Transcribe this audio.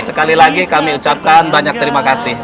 sekali lagi kami ucapkan banyak terima kasih